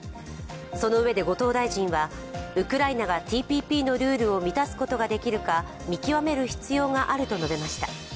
そのうえで、後藤大臣はウクライナがＴＰＰのルールを満たすことができるか、見極める必要があると述べました。